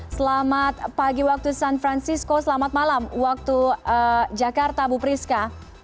selamat pagi waktu san francisco selamat malam waktu jakarta bu priska